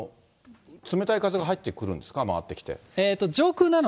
冷たい風が入ってくるんですか、回ってきて。